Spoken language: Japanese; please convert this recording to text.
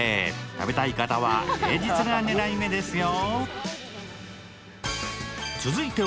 食べたい方は平日が狙い目ですよ。